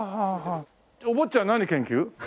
お坊ちゃん何研究？